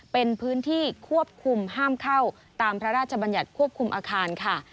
เป็นพื้นที่ควบคุมห้ามเข้าตามพระราชบัญญัติควบคุมอาคารค่ะ